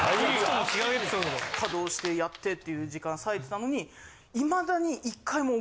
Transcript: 稼働してやってっていう時間さいてたのに未だに。